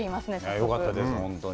よかったです、本当に。